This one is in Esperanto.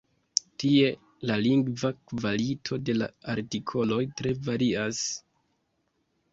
Tie la lingva kvalito de la artikoloj tre varias.